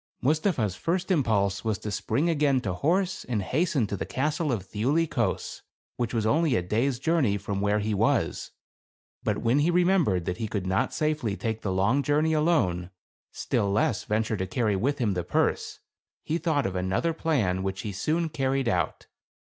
Mustapha's first impulse was to spring again to horse and hasten to the Castle of Thiuli Kos, which was only a day's journey from where he was. But when he remembered that he could not safely take the long journey alone, still less venture to carry with him the purse, he THE CAE AVAN. 173 thought of another plan which he soon carried out.